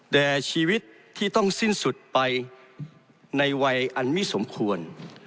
แด่ชีวิตที่ต้องสิ้นสุดไปในวัยอันมิสมควร